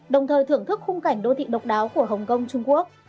đồng thời thưởng thức khung cảnh đô thị độc đáo của hồng kông trung quốc